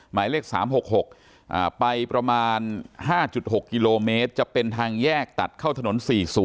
หมายเลข๓๖๖ไปประมาณ๕๖กิโลเมตรจะเป็นทางแยกตัดเข้าถนน๔๐